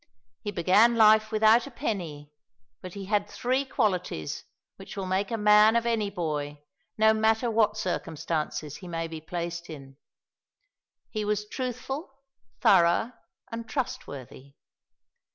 He began life without a penny, but he had three qualities which will make a man of any boy, no matter what circumstances he may be placed in. He was truthful, thorough, and trustworthy.